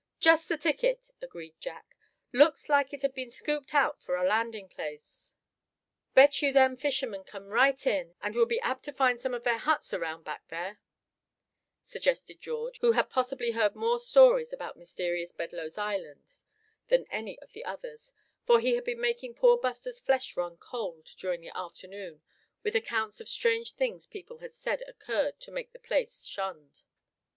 "Just the ticket!" agreed Jack, "looks like it had been scooped out for a landing place." "Bet you them fishermen come right in; and we'll be apt to find some of their huts around back there," suggested George, who had possibly heard more stories about mysterious Bedloe's Island than any of the others, for he had been making poor Buster's flesh run cold during the afternoon with accounts of strange things people said had occurred to make the place shunned.